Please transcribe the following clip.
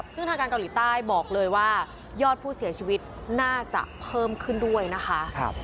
ซึ่งทางการเกาหลีใต้บอกเลยว่ายอดผู้เสียชีวิตน่าจะเพิ่มขึ้นด้วยนะคะ